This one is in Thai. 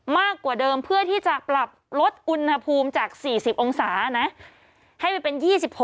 มากกว่าเดิมเพื่อที่จะปรับลดอุณหภูมิจาก๔๐องศานะให้ไปเป็น๒๖